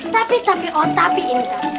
tapi tapi oh tapi intar